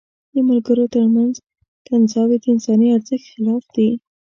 د ملګرو تر منځ کنځاوي د انساني ارزښت خلاف دي.